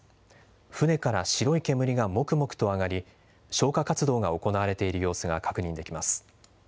船から白い煙がもくもくと上がり消火活動が行われている様子が確認できます。